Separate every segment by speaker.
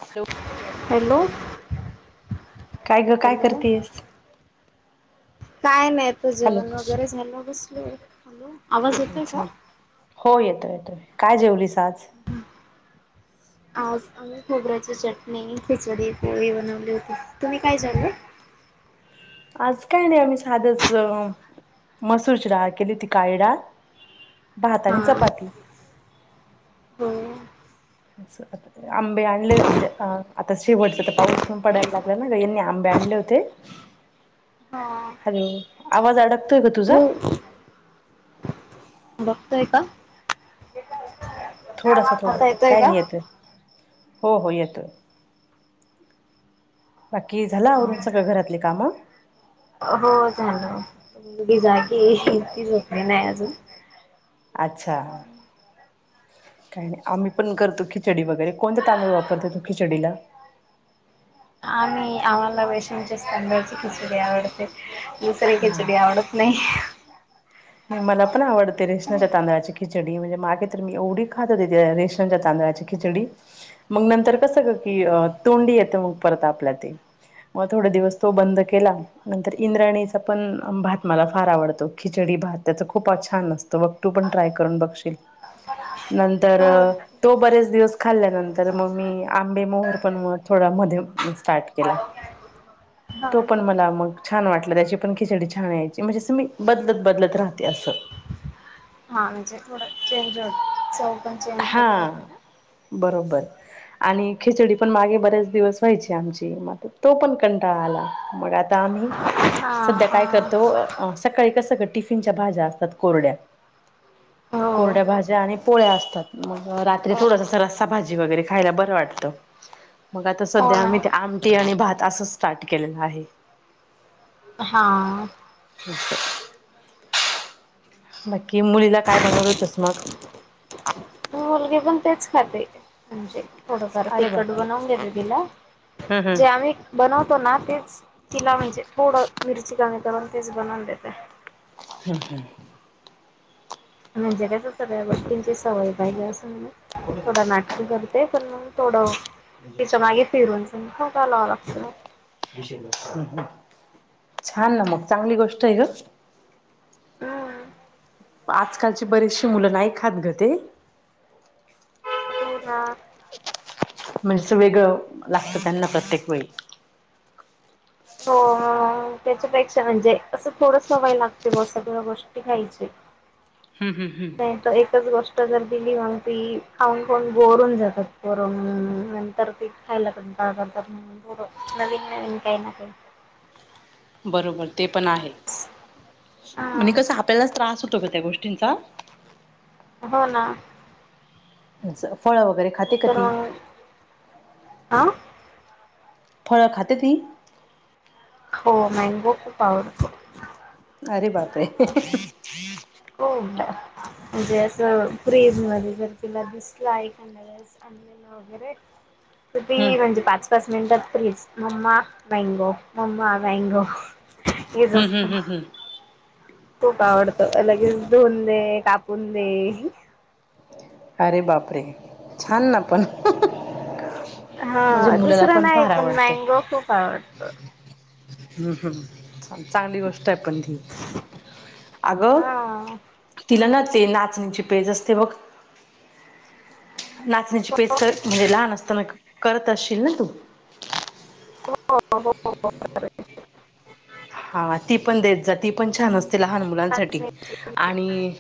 Speaker 1: Hello
Speaker 2: hello
Speaker 1: काय ग काय
Speaker 2: हॅलो
Speaker 1: करतीयेस
Speaker 2: काय नाही आता
Speaker 1: हॅलो.
Speaker 2: जेवण वगैरे झालं बसलोय आवाज येतोय का?
Speaker 1: अच्छा हो येतोय येतोय काय जेवलीस आज
Speaker 2: आज आम्ही खोबऱ्याची चटणी खिचडी पोळी बनवली होती तुम्ही काय जेवला
Speaker 1: आज काय नाही आम्ही साधच मसूरची डाळ केलीती काळी डाळ भात आणि चपाती
Speaker 2: हू
Speaker 1: [inaudible] आंबे आणले म्हणजे आता शेवटचा तर पाऊस पण पडायला लागला ना ग यांनी आंबे आणले होते [inaudible]
Speaker 2: हा
Speaker 1: हॅलो आवाज अडकतोय का तुझा
Speaker 2: हो बघतोय का
Speaker 1: थोडंसं
Speaker 2: आता
Speaker 1: थोडंसं काय
Speaker 2: का?
Speaker 1: नाही येतोय हो हो येतोय बाकी झाल आवरून सगळ घरातली काम
Speaker 2: हो झाल मुलगी जागिये ती झोपली नाही अजून
Speaker 1: अच्छा काय नाही आम्ही पण करतो खिचडी वगैरे कोणते तांदूळ वापरते तू खिचडीला
Speaker 2: नाही आम्हाला रेशनच्याच तांदळाची खिचडी आवडते दुसरी
Speaker 1: हा
Speaker 2: खिचडी आवडत नाही
Speaker 1: नाही मला पण आवडते रेशनाच्या तांदळाची खिचडी म्हणजे मागे तर मी एवढी खात होते त्या रेशनच्या तांदळाची खिचडी मग नंतर कस गं की तोंडी येते मग परत आपल्या ते मग थोडे दिवस तो बंद केला नंतर इंद्रायणीचा पण भात मला फार आवडतो खिचडी भात त्याच खूप छान असत बघ तू पण ट्राय करून बघशील नंतर‌
Speaker 2: हो
Speaker 1: तो बरेच दिवस खाल्ल्यानंतर मग मी आंबे मोहर पण म थोडा मध्ये स्टार्ट केला तो पण
Speaker 2: हो
Speaker 1: मला मग छान वाटला त्याची पण खिचडी छान व्हायची म्हणजे अस मी बदलत राहते असं
Speaker 2: हा म्हणजे थोडं चेंज चव पण चेंज होते
Speaker 1: हा
Speaker 2: ना
Speaker 1: बरोबर आणि खिचडी पण मागे बरेच दिवस व्हायची आमची मग आता तो पण कंटाळ आला मग आता आम्ही
Speaker 2: हा
Speaker 1: सध्या काय
Speaker 2: हा.
Speaker 1: करतो सकाळी कस गं टिफिनच्या भाज्या असतात कोरड्या त्या
Speaker 2: हो.
Speaker 1: कोरड्या भाज्या आणि पोळ्या असतात मग रात्री थोडस असं रस्सा भाजी वगैरे खायला बरं वाटतं मग आता
Speaker 2: हो
Speaker 1: सध्या
Speaker 2: ना.
Speaker 1: आम्ही ते आमटी आणि भात असं स्टार्ट केलेलं आहे
Speaker 2: हा
Speaker 1: [inaudible] बाकी मुलीला काय बनवलं होतस मग
Speaker 2: मुलगी पण तेच खाते म्हणजे थोडंफार
Speaker 1: अरे
Speaker 2: तिखट
Speaker 1: बापरे!
Speaker 2: बनवून देते तिला
Speaker 1: हम्म हम्म
Speaker 2: जे आम्ही बनवतो ना तेच तिला म्हणजे थोडं मिरची कमी करून तेच बनवून देते
Speaker 1: हू हू
Speaker 2: म्हणजे कस सगळ्या गोष्टींची सवय पाहिजे असून थोडं नाटकं करते पण म थोडं तिच्या मागे फिरून खाऊका लावाव लागत
Speaker 1: [inaudible] छान ना मग, चांगली गोष्ट आहे गं.
Speaker 2: हा.
Speaker 1: आजकालची बरीेचशी मुलं नाही खात गं ते.
Speaker 2: हो ना.
Speaker 1: म्हणजे ते वेगळं, लागतं त्यांना प्रत्येक वेळी.
Speaker 2: हो त्याच्यापेक्षा म्हणजे असं थोडं सवय लागते म, सगळं गोष्टी खायची.
Speaker 1: हम्म हम्म
Speaker 2: [inaudible]
Speaker 1: हम्म
Speaker 2: नाही तर एकच गो [unintelligible] दिली मग ती खाऊन, खाऊन बोर होऊन जातात पोरं. नंतर ती खायला कंटाळा करतात मग पोरं. नवीन नवीन काही ना
Speaker 1: बरोबर ते पण आहे. [inaudible] आणि
Speaker 2: हा
Speaker 1: कस आपल्यालाच त्रास होतो ग त्या गोष्टींचा.
Speaker 2: हो ना.
Speaker 1: फळ वगैरे खाते का
Speaker 2: नंतर
Speaker 1: ती?
Speaker 2: मग, [inaudible] आ
Speaker 1: फळं खाते ती.
Speaker 2: हो. मॅंगो खूप आवडतो.
Speaker 1: अरे बाप रे. [unintelligible] [inaudible]
Speaker 2: हो. म्हणजे असं फ्रीज मध्ये जर तिला दिसला [inaudible] कंदील वगैरे तर
Speaker 1: हम्म
Speaker 2: ती म्हणजे पाच पाच मिनटात फ्रीज, मम्मा मॅंगो, मम्मा मॅंगो.
Speaker 1: हम् हम्म हं हं.
Speaker 2: खूप आवडतो. लगेच धुन दे, कापून दे.
Speaker 1: अरे बापरे! छान ना पण. [inaudible]
Speaker 2: हा
Speaker 1: माझ्या मुलाला
Speaker 2: दुसरं नाही,
Speaker 1: फार
Speaker 2: पण
Speaker 1: आवडतं.
Speaker 2: मँगो खूप आवडत
Speaker 1: ह ह. चांगली गोष्ट आहे पण ती. [inaudible] अगं
Speaker 2: हा
Speaker 1: तिला ना ते नाचणीची पेज असते बघ नाचणीची पेज कर, म्हणजे लहान असताना करत असशील ना तू?
Speaker 2: हो हो हो हो हो.
Speaker 1: हा. ती पण देत जा, ती पण छान असते लहान मुलांसाठी. आणि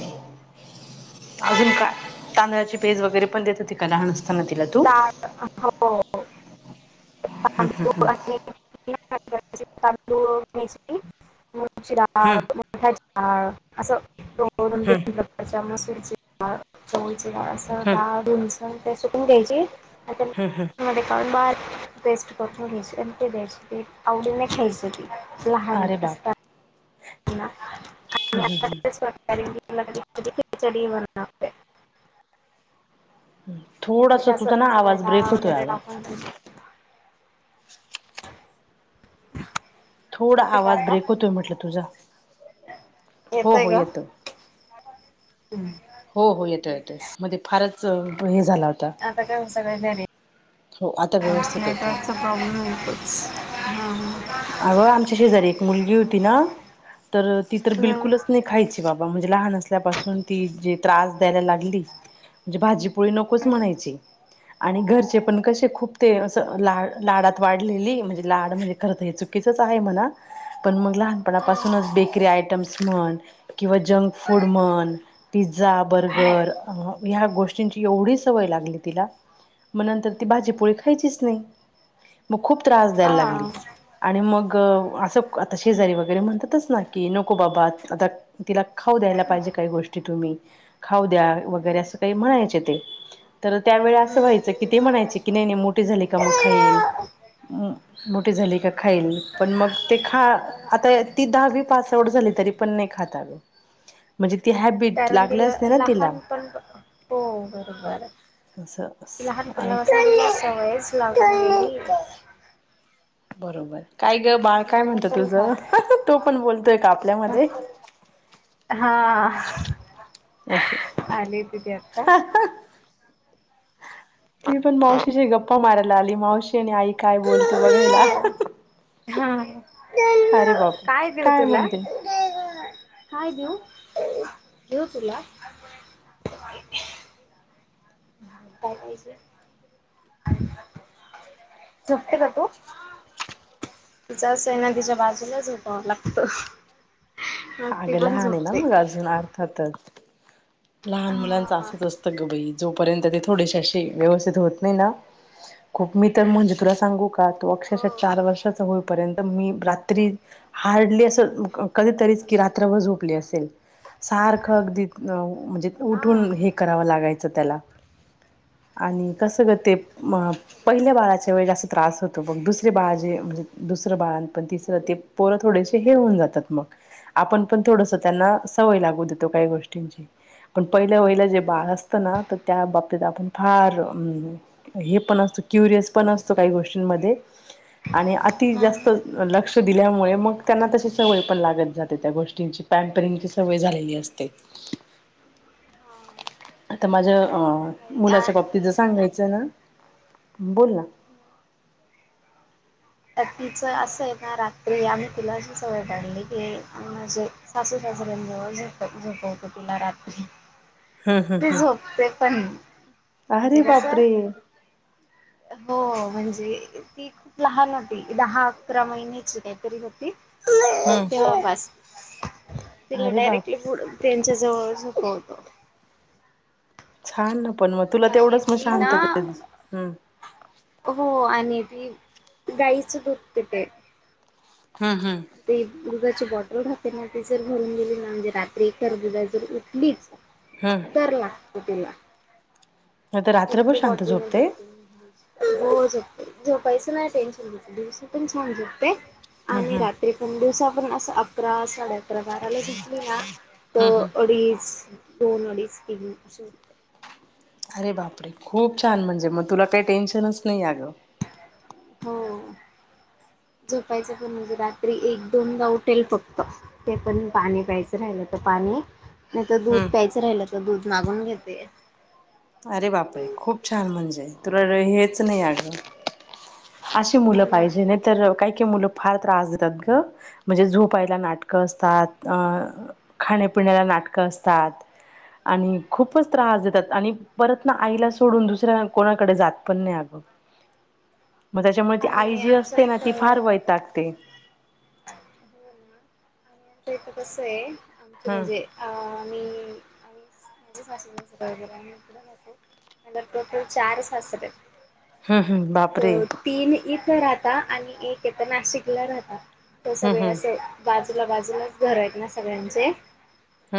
Speaker 1: [inaudible] अजून का, तांदळाची पेज वगैरे पण देत होती का लहान अस तांना तिला तु?
Speaker 2: [unintelligible] हो.
Speaker 1: हं हं
Speaker 2: तांदूळ
Speaker 1: हं.
Speaker 2: आणि [unintelligible] तांदूळ नेसली. ुगाचि दाळ,
Speaker 1: हम्म
Speaker 2: मठाचि दाळ असं
Speaker 1: हम्म
Speaker 2: [unintelligible] मसुरची दाळ. चवळची दा. ळ असं
Speaker 1: हम्म
Speaker 2: दाळ धुणसन मग ते सुकून घ्यायची
Speaker 1: हं हं.
Speaker 2: मध्ये काढुन बारीक पेस्ट करुन थोडशी अन ते द्यायची. आवडीने खायचं ते. लहान
Speaker 1: अरे बाप
Speaker 2: असतां ना. [unintelligible] खिचडी म्हणा
Speaker 1: थोडास
Speaker 2: म्हणजे असं
Speaker 1: तुझा ना,
Speaker 2: सगळ्या
Speaker 1: आवाज
Speaker 2: डाळ
Speaker 1: ब्रेक होतोय
Speaker 2: वगैरे
Speaker 1: अग.
Speaker 2: टाकून
Speaker 1: थोडा
Speaker 2: येतोय का
Speaker 1: आवाज
Speaker 2: आता?
Speaker 1: ब्रेक होतोय म्हटलं तुझा
Speaker 2: [inaudible]
Speaker 1: हो
Speaker 2: येतोय
Speaker 1: हो
Speaker 2: का? [inaudible] हम्
Speaker 1: हो हो. येतोय, येतोय. मध्ये फारच हे झाला होता.
Speaker 2: आता काय म सगळ्या जणी
Speaker 1: हो आता व्यवस्थित येतोय
Speaker 2: नेटवर्कचं प्रॉब्लेम होतोच हां हां.
Speaker 1: अहो आमच्या शेजारी एक मुलगी होती न, तर ती तर
Speaker 2: हम्म.
Speaker 1: बिलकुलच नई खायची. बाबा म्हणजे लहान असल्यापासुन ती जे त्रास द्यायला लागली म्हजे भाजी् पोळी नकोच म्हणायची. आणि घरचे पण कसे खूप ते असं ला लाडात वाढलेली म्हजे लाड म्हजे खर तं हे चुकीचंच आहे म्हणा पण मग
Speaker 2: हा
Speaker 1: लहानपणापासूनच बेकरी आयटम्स म्हण किंवा जंक फूड म्हन पिझ्झा बर्गर अंह ह्या गोष्टींची एवढी सवय लागली तिला म नंतर ती भाजीपोळी खायचीच नई म खूप त्रास द्यायल लागली. आणि मग अ असं आता शेजारी वगैरे म्हणतातच ना की नको बाबा आता तिला खाऊ द्यायला पायजे काई गोष्टी तुम्ही खाऊ द्या वगैरे असं काई म्हणायचे ते तर त्यावेळी असं व्हायचं की ते म्हणायचे की नई नई मोठीे झाली का म खाईल. म मोठी झाली का खाईल पण मग ते खा आता ती दहावी पास आऊट झाली तरी पण नई खात अगं. [inaudible] म्हणजे ती हॅबी
Speaker 2: कारण तिला लहानपण हो बरोबर.
Speaker 1: असं आणि
Speaker 2: लहानपणापासुन तीला सवयच लागली नई
Speaker 1: बरोबर काय ग बाळ काय
Speaker 2: म्हणून
Speaker 1: म्हणतं
Speaker 2: नसेल
Speaker 1: तुझं,
Speaker 2: खात
Speaker 1: तो पण बोलतोय का आपल्यामध्ये.
Speaker 2: हा.
Speaker 1: असं.
Speaker 2: आली तिथे आता
Speaker 1: हा हां. ती पण मावशीशी गप्पा मारायला आली मावशी आणि आई काय बोलते बघायला. अ हा हा.
Speaker 2: हा.
Speaker 1: बाप
Speaker 2: काय देऊ तुला,
Speaker 1: म्हणते
Speaker 2: काय देऊ, देऊ तुला. काय द्यायचं, झोपते का तू? तिच असंय आहे ना तिच्या बाजूलाच झोपावं लागतं. मग ती
Speaker 1: अगं
Speaker 2: पण
Speaker 1: लहानेना
Speaker 2: झोपते
Speaker 1: मुल अजून अर्थातच. लहान
Speaker 2: हा
Speaker 1: मुलांच असंच असतं ग बई, जोपर्यंत ते थोडेशे अशे व्यवस्थित होत नई ना. खूप मी तर म्हंजे तुला सांगू का, तो अक्षरशः
Speaker 2: हो
Speaker 1: चार वर्षाचा होईपर्यंत मी रात्री हार्डली असं, अं क कधीतरीच की रात्रभ झोपली असेल. सारखं अगदी, अं म्हणजे
Speaker 2: हा
Speaker 1: उठून हे करावं लागायचं त्याला. आणि कसं ग ते प म पहिल्या बाळाच्या वेळे जास्त त्रास होतो बग, दुसरे बाळ जे म्हणजे दुसरं बाळंत पण तिसरं ते पोरं थोडेसे हे होऊन जातात मग, आपण पण थोडसं त्यांना सवय लागू देतो काई गोष्टींची. पण पहिलं वहिलं जे
Speaker 2: हम्म
Speaker 1: बाळ असतं ना, त त्या बाबतीत आपण फार अ हं हे पण असतो, क्युरियस पण असतो काई गोष्टींमध्ये आणि अति
Speaker 2: हा
Speaker 1: जास्त लक्ष दिल्यामुळे मग त्यांना तशी सवय पण लागत जाते, त्या गोष्टींची पॅम्परिंगची सवय झालेली असते. [inaudible] आता माझ्या अं
Speaker 2: नाही
Speaker 1: मुलाच्या बाब तिज
Speaker 2: आणि
Speaker 1: सांगायचं न, बोल ना.
Speaker 2: त तिचं असंय ना रात्री, आम्ही तिला अशी सवय पाडली की माझे सासू सासऱ्यांजवळ झोपत, झोपवतो तिला रात्री.
Speaker 1: हम्म हम्म
Speaker 2: ती
Speaker 1: हम्म.
Speaker 2: झोपते पण,
Speaker 1: अरे
Speaker 2: म्हणजे कसं
Speaker 1: बापरे!
Speaker 2: हो, म्हणजे ती खूप लहान हो दहा अकरा महिन्याची काहीतरी होती.
Speaker 1: ह,
Speaker 2: जवळपास, तिला
Speaker 1: बाप
Speaker 2: डायरेक्टली थोड त्यांच्या जवळ झोपवतो.
Speaker 1: छान न पण मग, तुला
Speaker 2: आणि
Speaker 1: तेवढंच मग
Speaker 2: ती ना
Speaker 1: शांततेत हम्,
Speaker 2: हो, आणि ती गाईच दुध पिते.
Speaker 1: हम्म हम्म,
Speaker 2: ते दुधाची बॉटल राहते ना, ती जर भरून देली ना, म्हणजे रात्री [unintelligible] जर उठलीच
Speaker 1: हां,
Speaker 2: तर लागतो तीला.
Speaker 1: आता
Speaker 2: ते म
Speaker 1: रात्रभर
Speaker 2: ते
Speaker 1: शांत
Speaker 2: बॉटल नाही
Speaker 1: झोपते?
Speaker 2: देत तुम्ही. हो झोपते. झोपायच नाही टेन्शन तिचं दिवसा पण छान झोपते.
Speaker 1: हम्म
Speaker 2: आणि
Speaker 1: हम्म
Speaker 2: रा त्री पण दिवसा पण, असं अकरा साडे अ अकरा बाराला झोपली ना, त
Speaker 1: हम्म हम्म.
Speaker 2: अडीच दोन अडीच तीन
Speaker 1: अरे बापरे! खूप छान म्हणजे मग तुला काही टेन्शनच नाही अगं.
Speaker 2: हो
Speaker 1: [inaudible]
Speaker 2: झोपायचं पण म्हणजे रात्री एक दोनदा उठेल फक्त. ते पण पाणी प्यायचं राहिलं त पाणी नाही त
Speaker 1: हम्म.
Speaker 2: दूध प्यायचं राहिलं त दूध मागून घेते.
Speaker 1: अरे बापरे! खूप छान म्हणजे, तुला हेच नाही आग. ती
Speaker 2: हो
Speaker 1: मुलं
Speaker 2: ना
Speaker 1: पायजेन आहेत. तर काही काही मुलं फार त्रास देतात ग. म्हणजे झोपायला नाटकं असतात. अ.., खाण्यापिण्याला नाटकं असतात आणि खूपच त्रास देतात. आणि परत ना, आईला सोडून दुसऱ्या कोणाकडे जात पण नाही अगं. मग त्याच्यामुळे ती आई
Speaker 2: आणि
Speaker 1: जी
Speaker 2: आमच्या
Speaker 1: असते ना, ती
Speaker 2: इथं
Speaker 1: फार वैतागते.
Speaker 2: हो ना, आणि आमच्या इथं कस आहे. आमचं
Speaker 1: हम्म
Speaker 2: म्हणजे आ, मी [unintelligible] मला टोटल चार सासरे आहेत.
Speaker 1: हम् हम्, बापरे!
Speaker 2: तीन इथं राहता आणि एक येथं नाशिकला राहता. ते
Speaker 1: हम्म
Speaker 2: सगळे
Speaker 1: हम्म
Speaker 2: असे बाजूला बाजूलाच घर आहेत ना, सगळ्यांचे.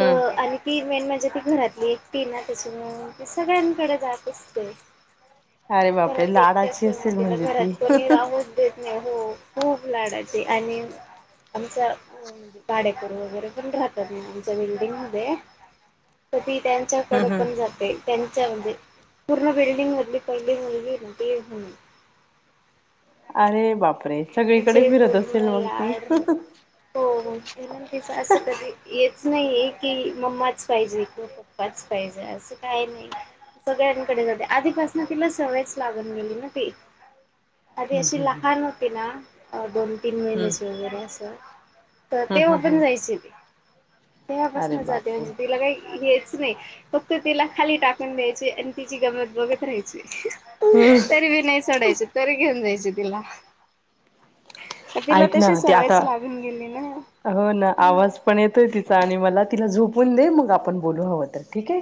Speaker 2: त आणि ती मेन म्हणजे ती घरातली एकटी आहेना, त्याच्यामुळ मी सगळ्यांकड जात असते.
Speaker 1: अरे बापरे
Speaker 2: घरातली एकटी
Speaker 1: लाडाची
Speaker 2: असल्यामुळे
Speaker 1: असेल
Speaker 2: तिला
Speaker 1: म्हणजे
Speaker 2: घरात
Speaker 1: ती हम्म
Speaker 2: कोणी राहो देत नाही हो. खुप लाडाची आणि आमचा भाडेकरू वगैरे पण राहतात ना, आमच्या बिल्डिंग मध्ये त ती त्यां च्याकड
Speaker 1: हम्म.
Speaker 2: पण जाते. त्याच्या म्हणजे पूर्ण बिल्डींग मधली पहिली मुलगी हे न ती म्हणून
Speaker 1: अरे बापरे! सगळीकडे
Speaker 2: तिचे
Speaker 1: फिरत असेल
Speaker 2: पूर्ण
Speaker 1: मग ती.
Speaker 2: लाड राहतात. हो हो, [unintelligible] तिचं असं कधी येच नाही आहे की, मम्माच पाहिजे किंवा पप्पा प्पाच पाहिजे. असं काही नाही. सगळ्यांकडे जाते. आधीपासनं तिला सवयच लागून गेली ना ती. आधी
Speaker 1: हम्म
Speaker 2: अशी
Speaker 1: हम्म
Speaker 2: लहान होती ना, दोन तीन
Speaker 1: हम्म
Speaker 2: महिन्याचं वगैरे असं, तर
Speaker 1: हम्म
Speaker 2: तेव्हा
Speaker 1: हम्म
Speaker 2: पण
Speaker 1: हम्म
Speaker 2: जायची ती.
Speaker 1: अरे
Speaker 2: तेव्हापासनं जाते.
Speaker 1: बापरे
Speaker 2: म्हणजे तिला काय हेच नाही, फक्त तिला खाली टाकून द्यायचे आणि तिची गंमत बघत राहायची.
Speaker 1: हम्म.
Speaker 2: तरी भी नाही सोडायचे. तरी घेऊन जायचे तिला. तिला
Speaker 1: ऐक
Speaker 2: तशी
Speaker 1: ना ते
Speaker 2: सवयच
Speaker 1: आता
Speaker 2: लागून गेली ना.
Speaker 1: हो ना आवाज पण येतोय तिचा आणि मला तिला झोपून दे मग आपण बोलू हवं तर ठीक आहे.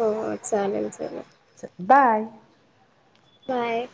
Speaker 2: हो, हो, चालेल चालेल.
Speaker 1: बाय.
Speaker 2: बाय.